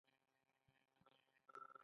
اوښ ولې اغزي خوري؟